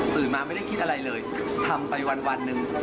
มาไม่ได้คิดอะไรเลยทำไปวันหนึ่ง